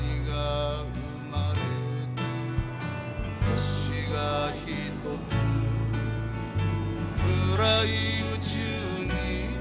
「星がひとつ暗い宇宙に生まれた」